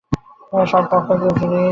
সব অকেজো জিনিস।